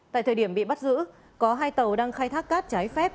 tại thời điểm bị bắt giữ có hai tàu đang khai thác cát trái phép